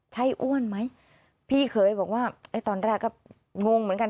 ใช่อ้วนไหมพี่เคยบอกว่าไอ้ตอนแรกก็งงเหมือนกัน